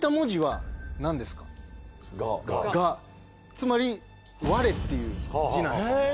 つまり「我」っていう字なんですよね。